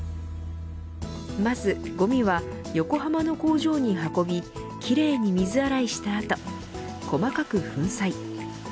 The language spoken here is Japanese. まず、ごみは横浜の工場に運び奇麗に水洗いした後細かく粉砕。